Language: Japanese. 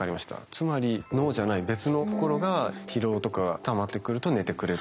つまり脳じゃない別のところが疲労とかがたまってくると「寝てくれ」と。